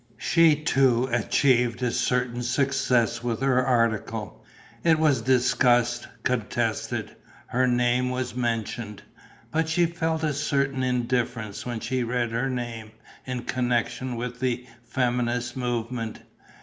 She too achieved a certain success with her article: it was discussed, contested; her name was mentioned. But she felt a certain indifference when she read her name in connection with the feminist movement.